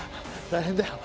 大変だよ